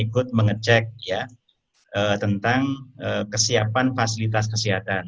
mereka harus mengecek tentang kesiapan fasilitas kesehatan